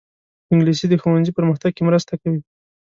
انګلیسي د ښوونځي پرمختګ کې مرسته کوي